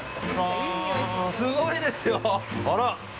すごいですよ！